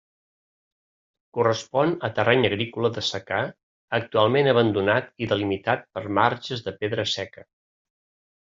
Correspon a terreny agrícola de secà actualment abandonat i delimitat per marges de pedra seca.